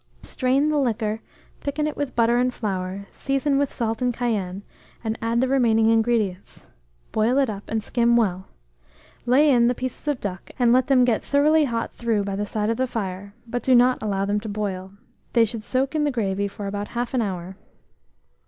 Strain the liquor, thicken it with butter and flour, season with salt and cayenne, and add the remaining ingredients; boil it up and skim well; lay in the pieces of duck, and let them get thoroughly hot through by the side of the fire, but do not allow them to boil: they should soak in the gravy for about 1/2 hour.